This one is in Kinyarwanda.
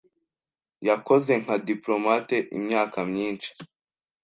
Yakoze nka diplomate imyaka myinshi.